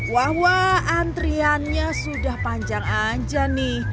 wah wah antriannya sudah panjang aja nih